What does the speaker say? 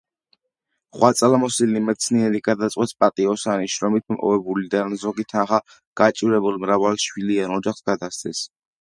ღვაწლმოსილი მეცნიერი გადაწყვეტს პატიოსანი შრომით მოპოვებული დანაზოგი თანხა გაჭირვებულ მრავალშვილიან ოჯახს გადასცეს.